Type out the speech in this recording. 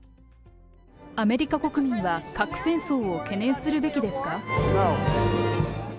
アメリカ国民は核戦争を懸念するべきですか。